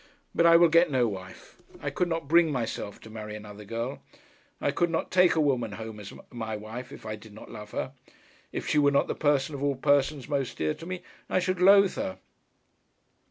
But I will get no wife. I could not bring myself to marry another girl, I could not take a woman home as my wife if I did not love her. If she were not the person of all persons most dear to me, I should loathe her.'